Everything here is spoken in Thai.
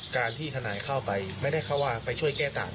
การที่ทนายเข้าไปไม่ได้เข้าว่าไปช่วยแก้ต่าง